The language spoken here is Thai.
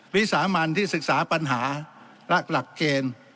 วิสามันที่ศึกษาปัญหาและหลักเกณฑ์